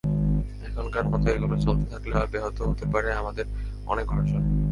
এখনকার মতো এগুলো চলতে থাকলে ব্যাহত হতে পারে আমাদের অনেক অর্জন।